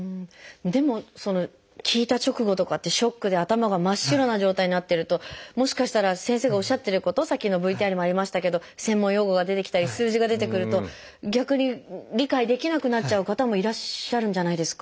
でも聞いた直後とかってショックで頭が真っ白な状態になってるともしかしたら先生がおっしゃってることさっきのＶＴＲにもありましたけど専門用語が出てきたり数字が出てくると逆に理解できなくなっちゃう方もいらっしゃるんじゃないですか？